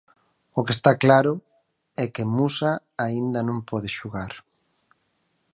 O que está claro é que Musa aínda non pode xogar...